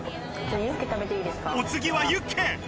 お次はユッケ。